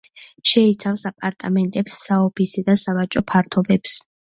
შეიცავს აპარტამენტებს, საოფისე და სავაჭრო ფართობებს.